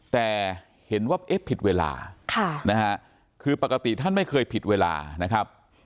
แต่เห็นว่าเอ๊ะผิดเวลาคือปกติท่านไม่เคยผิดเวลานะครับ